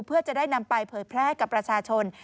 เพื่อจะได้นำไปเผยแพร่ให้กับประชาชน